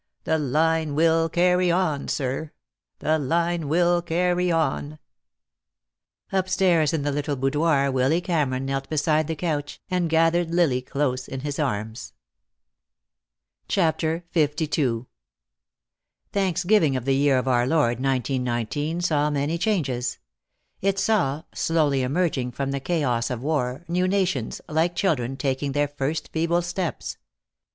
The line will carry on, sir. The line will carry on." Upstairs in the little boudoir Willy Cameron knelt beside the couch, and gathered Lily close in his arms. CHAPTER LII Thanksgiving of the year of our Lord 1919 saw many changes. It saw, slowly emerging from the chaos of war, new nations, like children, taking their first feeble steps.